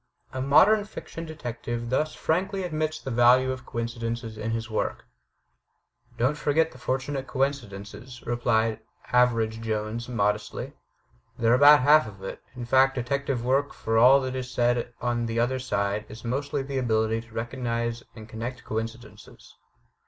A modern fiction detective thus frankly admits the value of coincidences in his work: "Don't forget the fortunate coincidences," replied Average Jones modestly. "They're about half of it. In fact, detective work, for all that is said on the other side, is mostly the ability to recognize and connect coincidences."